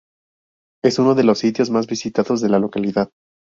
Es uno de los sitios más visitados de la localidad.